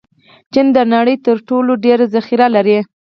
چین د نړۍ تر ټولو ډېر ذخیره لري.